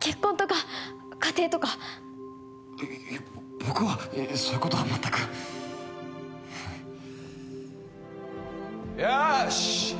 結婚とか家庭とかいいや僕はそういうことは全くよし！